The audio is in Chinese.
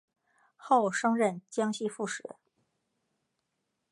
后升任江西副使。